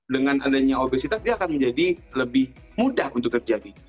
dengan adanya obesitas dia akan menjadi lebih mudah untuk terjadi